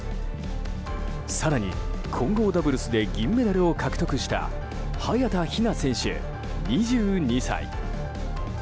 更に、混合ダブルスで銀メダルを獲得した早田ひな選手、２２歳。